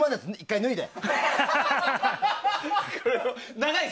１回脱いで。